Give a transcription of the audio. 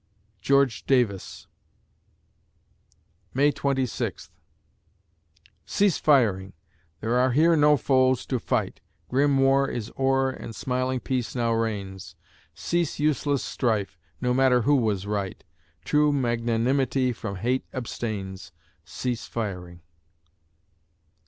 GEORGE DAVIS May Twenty Sixth Cease firing! There are here no foes to fight! Grim war is o'er and smiling peace now reigns; Cease useless strife no matter who was right True magnanimity from hate abstains. Cease firing!